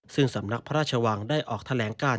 ซึ่งสำนักพระราชวังได้ออกแถลงการ